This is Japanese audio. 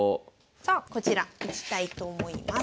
さあこちらいきたいと思います。